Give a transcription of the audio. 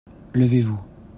Levez-vous.